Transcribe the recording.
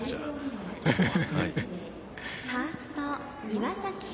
「ファースト岩崎君」。